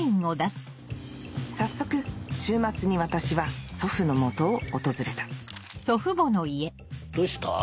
早速週末に私は祖父の元を訪れたどうした？